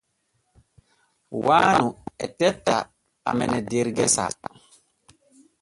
Waanu e tetta amene der gese.